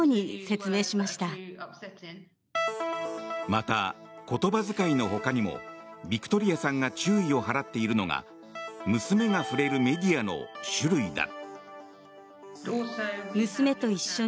また、言葉遣いの他にもビクトリアさんが注意を払っているのが娘が触れるメディアの種類だ。